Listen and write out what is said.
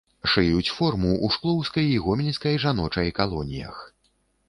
Шыюць форму ў шклоўскай і гомельскай жаночай калоніях.